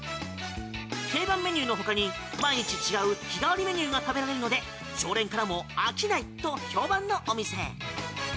定番メニューのほかに毎日違う日替わりメニューが食べられるので常連からも飽きないと評判のお店。